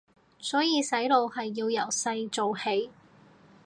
所以洗腦係要由細做起